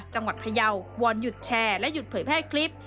จังหวัดพระเยาวอนหยุดแชร์และหยุดเผยแพร่คลิป